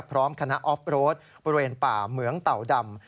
พร้อมคณะออฟโรดบริเวณป่าเหมืองเต่าดำ